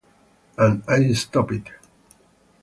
And I stopped it.